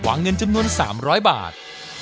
เงินจำนวน๓๐๐บาท